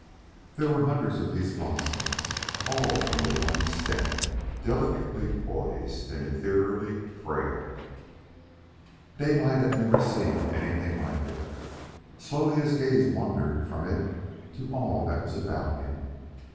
There were hundreds of these blossoms, all from the one stem, delicately poised and ethereally frail. Daylight had never seen anything like it. Slowly his gaze wandered from it to all that was about him.